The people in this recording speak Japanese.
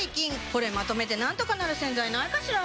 これまとめてなんとかなる洗剤ないかしら？